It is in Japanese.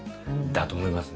だと思います